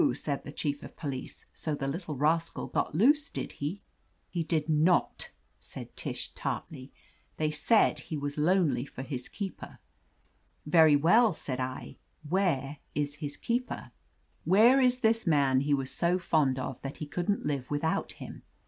said the Chief of Police, "so the little rascal got loose, did he ?" "He did not," said Tish tartly. "They said he was lonely for his keeper. Very well, said i86 OF LETITIA CARBERRY I, where is his keeper? Where is this man he was so fond of that he couldn't live with out him?